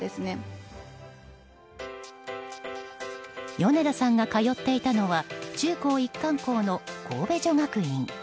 米田さんが通っていたのは中高一貫校の神戸女学院。